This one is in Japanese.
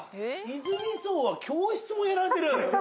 いづみ荘は教室もやられてる。